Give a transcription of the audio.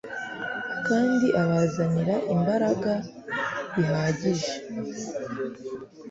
kandi abazanira imbaraga bihagije